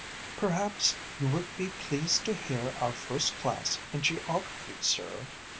"Perhaps you would be pleased to hear our first class in geography, sir?"